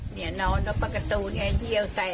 เนี่ยนอนแล้วปลากระตูเนี่ยเยี่ยวแตกเลย